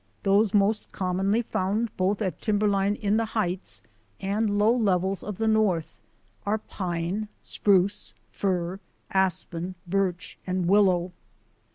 Those most commonly found both at timberline in the heights and the low levels of the north are pine, spruce, fir, aspen, birch, and willow.